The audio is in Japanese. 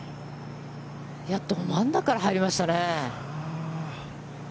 ど真ん中から入りましたね。